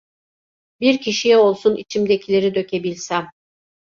Bir kişiye olsun içimdekileri dökebilsem.